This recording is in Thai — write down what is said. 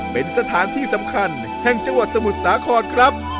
เป็นสถานที่สำคัญแห่งจังหวัดสมุทรสาครครับ